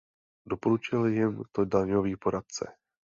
Doporučil jim to daňový poradce.